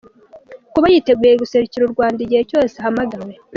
Kuba yiteguye guserukira u Rwanda igihe cyose ahamagawe.